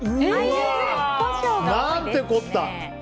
何てこった！